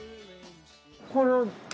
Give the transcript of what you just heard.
これを。